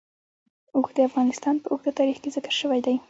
اوښ د افغانستان په اوږده تاریخ کې ذکر شوی دی.